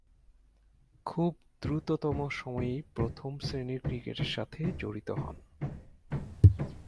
খুব দ্রুততম সময়েই প্রথম-শ্রেণীর ক্রিকেটের সাথে জড়িত হন।